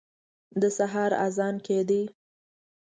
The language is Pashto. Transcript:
د سهار اذان کېده.